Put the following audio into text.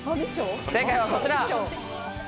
正解は、こちら。